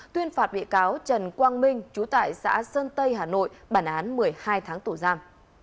tuyên phạt bị cáo trần quang minh chú tại xã sơn tây hà nội bản án một mươi hai tháng tù giam